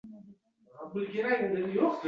Lekin meni qattiq taʼsirlantirgan joyi shu.